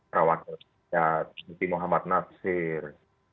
tertawakil sejati muhammad nasir